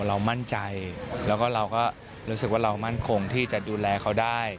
เรามั่นใจแล้วก็เราก็รู้สึกว่าเรามั่นคงที่จะดูแลเขาได้